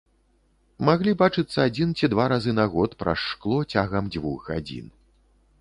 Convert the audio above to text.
Маглі бачыцца адзін ці два разы на год праз шкло цягам дзвюх гадзін.